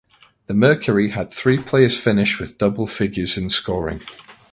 The Mercury had three players finish with double figures in scoring.